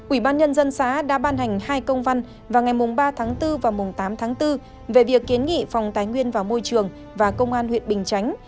ủy ban nhân dân xã đã ban hành hai công văn vào ngày ba tháng bốn và tám tháng bốn về việc kiến nghị phòng tái nguyên và môi trường và công an huyện bình chánh